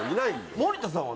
森田さんは。